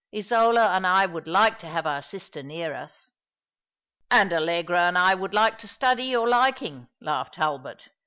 Isola and I would like to have our sister near us." " And Allegra and I would like to study your liiiing," laughed Hulbert.